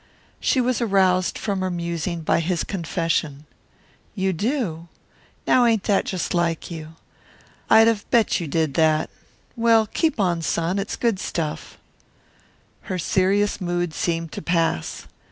She was aroused from her musing by his confession. "You do? Now ain't that just like you? I'd have bet you did that. Well, keep on, son. It's good stuff." Her serious mood seemed to pass.